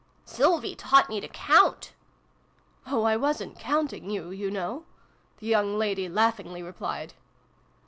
Sylvie taught me to count." " Oh, I wasn't counting you, you know !" the young lady laughingly replied.